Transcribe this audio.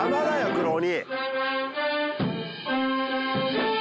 黒鬼！